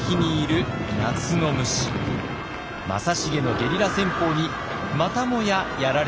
正成のゲリラ戦法にまたもややられてしまいます。